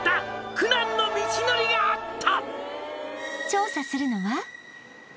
「苦難の道のりがあった」